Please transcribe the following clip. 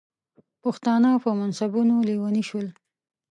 پښتانه په منصبونو لیوني شول.